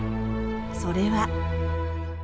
それは。